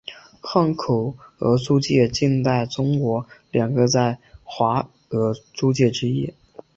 汉口俄租界近代中国两个在华俄租界之一。